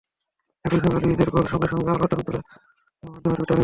একইসঙ্গে লুইজের গোল সঙ্গে সঙ্গে আলোড়ন তোলে সামাজিক যোগাযোগের মাধ্যম টুইটারেও।